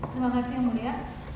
terima kasih muda